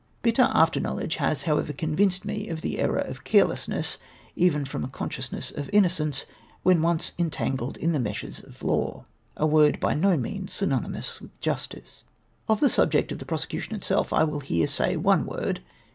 Bitter after knowledge has however convinced me of the error of carelessness — even from a consciousness of innocence — when once entano led in the meshes of law — a word by no means synon}anous with justice. Of the subject of the prosecution itself, I will here say one word.